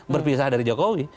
berpisah dari jokowi